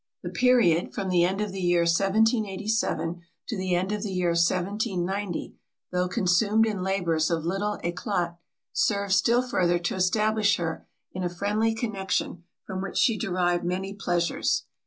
The period, from the end of the year 1787 to the end of the year 1790, though consumed in labours of little eclat, served still further to establish her in a friendly connection from which she derived many pleasures.